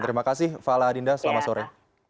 terima kasih fala adinda selamat sore